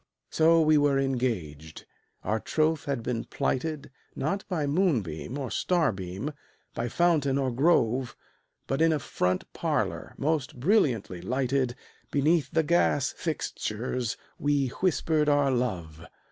So we were engaged. Our troth had been plighted, Not by moonbeam or starbeam, by fountain or grove, But in a front parlor, most brilliantly lighted, Beneath the gas fixtures, we whispered our love.